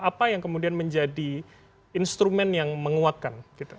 apa yang kemudian menjadi instrumen yang menguatkan